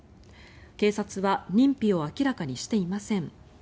警察は認否を明らかにしていません。